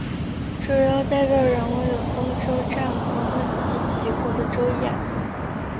主要代表人物有东周战国末期齐国的邹衍。